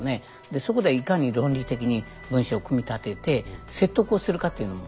そこではいかに論理的に文章組み立てて説得をするかっていうのも重要でしょ。